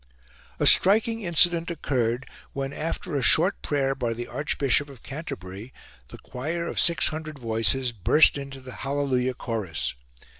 A striking incident occurred when, after a short prayer by the Archbishop of Canterbury, the choir of 600 voices burst into the "Hallelujah Chorus."